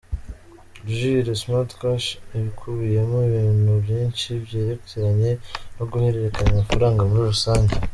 Jules: SmartCash ikubiyemo ibintu byinshi byerekeranye no guhererekanya amafaranga muri rusange.